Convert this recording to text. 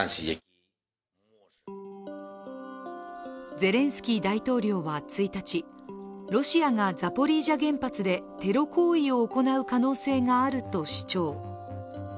ゼレンスキー大統領は１日、ロシアがザポリージャ原発でテロ行為を行う可能性があると主張。